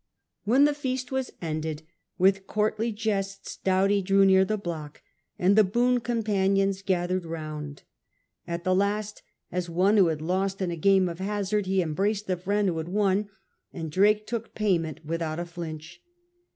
When the feast was ended, with courtly jests Doughty drew near the block and the boon companions gathered round. At the last, as one who had lost in a game of hazard, he embraced the friend who had won, and Drake took payment without a flinch.